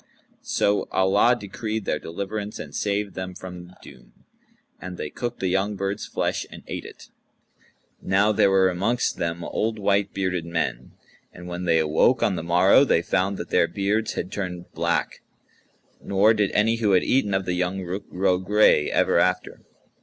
So Allah decreed their deliverance and saved them from doom; and they cooked the young bird's flesh and ate it. Now there were amongst them old white bearded men; and when they awoke on the morrow, they found that their beards had turned black, nor did any who had eaten of the young Rukh grow gray ever after.